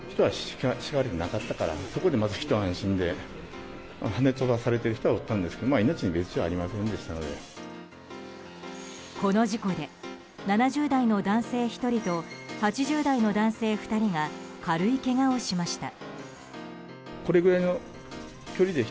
この事故で７０代の男性１人と８０代の男性２人が軽いけがをしました。